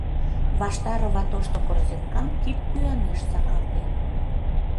Ваштарова тошто корзинкам кидпӱанеш сакалтен.